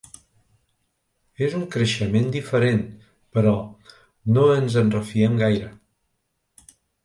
És un creixement diferent, però no ens en refiem gaire.